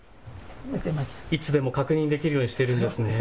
いつでも確認できるようにしているんですね。